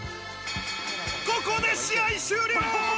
ここで試合終了！